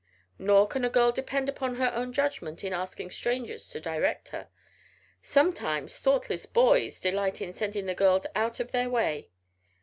Nor can a girl depend upon her own judgment in asking strangers to direct her. Sometimes thoughtless boys delight in sending the girls out of their way.